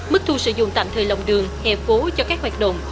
mức thu sử dụng tạm thời lòng đường hè phố cho các hoạt động